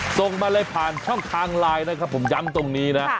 ส่งมาเลยผ่านช่องทางไลน์นะครับผมย้ำตรงนี้นะ